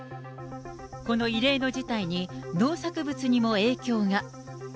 この異例の事態に、農作物にも影響が。